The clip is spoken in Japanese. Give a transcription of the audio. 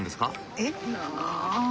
えっ？